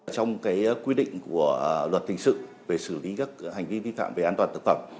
trong quy định của luật thình sự về xử lý các hành vi vi phạm về an toàn thực phẩm